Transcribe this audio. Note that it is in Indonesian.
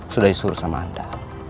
sudah disuruh sama anda